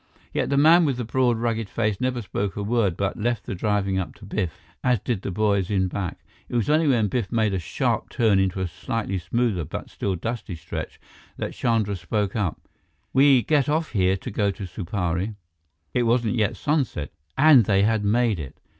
Yet the man with the broad, rugged face never spoke a word, but left the driving up to Biff, as did the boys in back. It was only when Biff made a sharp turn into a slightly smoother but still dusty stretch that Chandra spoke up: "We get off here to go to Supari." It wasn't yet sunset, and they had made it!